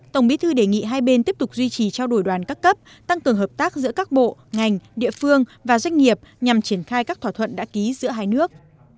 tổng bí thư đề nghị hai bên tiếp tục duy trì trao đổi đoàn các cấp tăng cường hợp tác giữa các bộ ngành địa phương và doanh nghiệp nhằm triển khai các thỏa thuận đã ký giữa hai nước